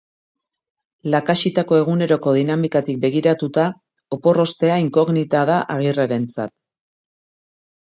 Lakaxitako eguneroko dinamikatik begiratuta, opor ostea inkognita da Agirrerentzat.